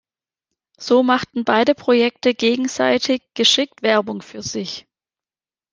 So machten beide Projekte gegenseitig geschickt Werbung für sich.